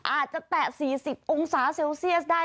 อาจจะแตะ๔๐องศาเซลเซียสได้